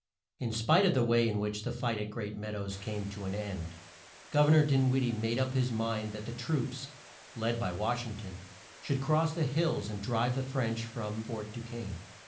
In spite of the way in which the fight at Great Mead ows came to an end Gov er nor Din wid die made up his mind that the troops, led by Wash ing ton, should cross the hills and drive the French from Fort Du quesne.